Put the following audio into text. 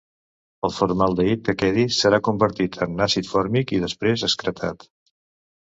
El formaldehid que quedi serà convertit en àcid fòrmic i després excretat.